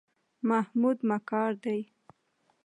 محمود مکار دی.